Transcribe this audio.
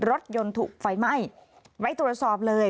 รถยนต์ถูกไฟไหม้ไปตรวจสอบเลย